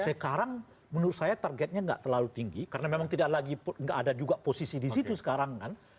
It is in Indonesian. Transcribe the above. sekarang menurut saya targetnya nggak terlalu tinggi karena memang tidak lagi nggak ada juga posisi di situ sekarang kan